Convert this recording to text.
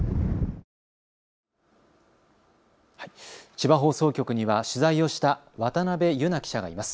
千葉放送局には取材をした渡辺佑捺記者がいます。